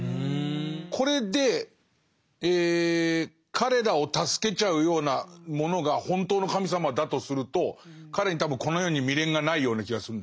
これで彼らを助けちゃうようなものが本当の神様だとすると彼に多分この世に未練がないような気がするんです。